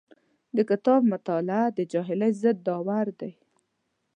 د کتاب مطالعه د جاهلۍ ضد دارو دی.